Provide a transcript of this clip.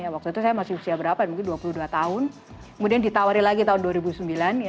waktu itu saya masih usia berapa mungkin dua puluh dua tahun kemudian ditawari lagi tahun dua ribu sembilan